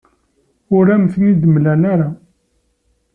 Ur am-ten-id-mlan ara.